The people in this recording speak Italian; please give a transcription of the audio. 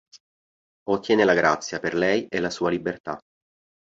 Ottiene la grazia per lei e la sua libertà.